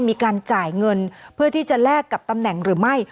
มีการจ่ายเงินเพื่อที่จะแลกกับตำแหน่งหรือไม่